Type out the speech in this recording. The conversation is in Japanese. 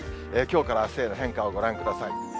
きょうからあすへの変化をご覧ください。